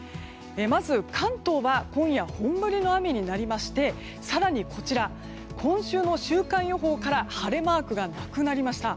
まず、関東は今夜本降りの雨となりまして更にこちら、今週の週間予報から晴れマークがなくなりました。